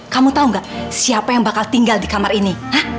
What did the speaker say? kamu tahu nggak siapa yang bakal tinggal di kamar ini